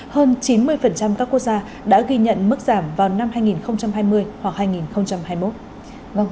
hơn chín mươi các quốc gia đã ghi nhận mức giảm vào năm hai nghìn hai mươi hoặc hai nghìn hai mươi một